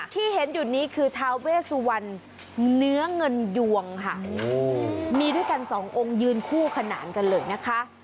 ที่เห็นอยู่นี้คือทาเวสุวรรณเนื้อเงินยวงค่ะมีด้วยกันสององค์ยืนคู่ขนานกันเลยนะคะ